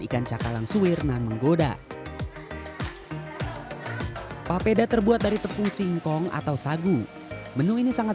ikan cakalang suwir dan menggoda papeda terbuat dari tepung singkong atau sagu menu ini sangat